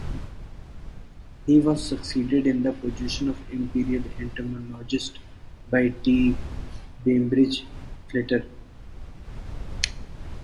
He was succeeded in the position of Imperial Entomologist by T. Bainbrigge Fletcher.